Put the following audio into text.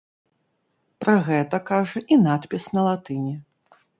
Пра гэта кажа і надпіс на латыні.